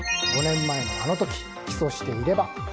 ５年前の、あの時起訴していれば。